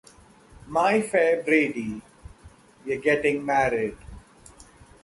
My Fair Brady: We're Getting Married!